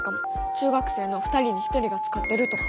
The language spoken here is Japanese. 「中学生の２人に１人が使ってる」とか。